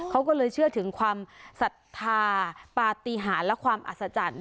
เขาก็เลยเชื่อถึงความศรัทธาปฏิหารและความอัศจรรย์